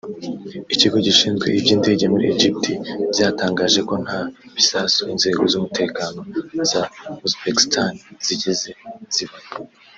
Ikigo gishinzwe iby’indege muri Egypt byatangaje ko nta bisasu inzego z’umutekano za Uzbekistan zigeze zibona